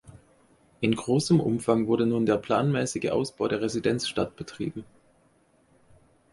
In großem Umfang wurde nun der planmäßige Ausbau der Residenzstadt betrieben.